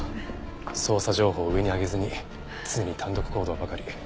捜査情報を上に上げずに常に単独行動ばかり。